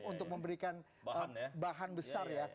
untuk memberikan bahan besar ya